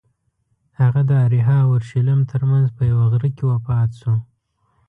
هغه د اریحا او اورشلیم ترمنځ په یوه غره کې وفات شو.